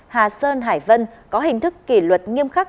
hà sơn hải vân có hình thức kỷ luật nghiêm khắc